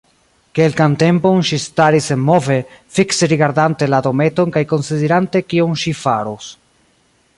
Kelkan tempon ŝi staris senmove, fikse rigardante la dometon kaj konsiderante kion ŝi faros.